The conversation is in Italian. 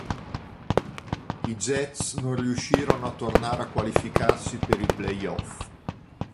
I Jets non riuscirono a tornare a qualificarsi per i playoff.